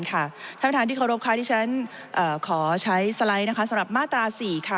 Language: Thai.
ท่านประธานที่เคารพค่ะที่ฉันขอใช้สไลด์นะคะสำหรับมาตรา๔ค่ะ